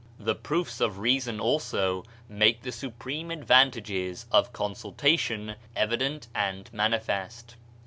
The proofs of reason also make the supreme advantages of consultation evident and manifest.